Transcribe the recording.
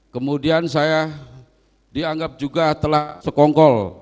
kemudian saya dianggap juga telah sekongkol